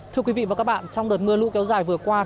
thưa quý vị và các bạn trong đợt mưa lũ kéo dài vừa qua